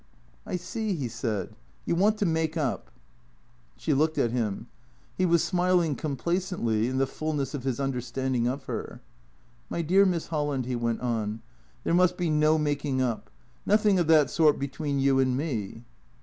" I see," he said, " you want to make up." She looked at him. He was smiling complacently, in the fulness of his understanding of her. " My dear Miss Holland," he went on, " there must be no making up. Nothing of that sort between you and me."